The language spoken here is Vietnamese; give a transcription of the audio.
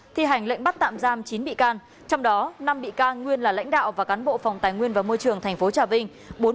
thi hành lệnh bắt tạm giam chín bị can trong đó năm bị can nguyên là lãnh đạo và cán bộ phòng tài nguyên và môi trường tp trà vinh